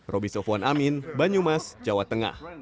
roby sofwan amin banyumas jawa tengah